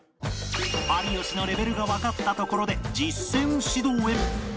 有吉のレベルがわかったところで実践指導へ